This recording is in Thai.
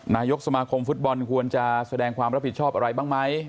นายกสมาคมฟุตบอลควรจะแสดงความรับผิดชอบอะไรบ้างไหม